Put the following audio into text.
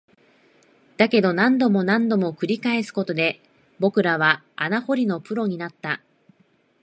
だけど、何度も何度も繰り返すことで、僕らは穴掘りのプロになった